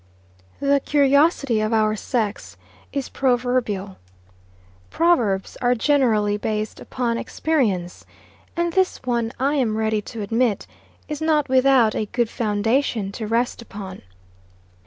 THE curiosity of our sex is proverbial. Proverbs are generally based upon experience, and this one, I am ready to admit, is not without a good foundation to rest upon.